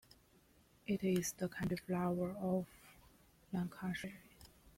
It is the county flower of Lancashire.